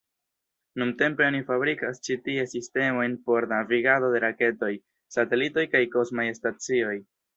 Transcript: Nuntempe oni fabrikas ĉi tie sistemojn por navigado de raketoj, satelitoj kaj kosmaj stacioj.